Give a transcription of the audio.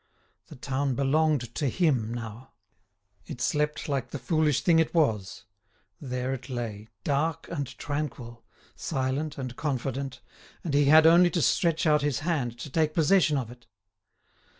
The town belonged to him now; it slept like the foolish thing it was; there it lay, dark and tranquil, silent and confident, and he had only to stretch out his hand to take possession of it.